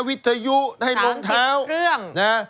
วิทยุให้น้องเท้า